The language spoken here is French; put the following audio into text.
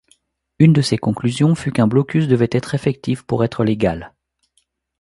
Une de ses conclusions fut qu'un blocus devait être effectif pour être légal.